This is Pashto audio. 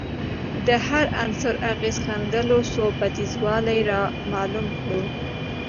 د هر عنصر اغېز ښندلو څو بعدیزوالی رامعلوم کړو